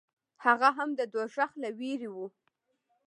هغه هم د دوزخ له وېرې و.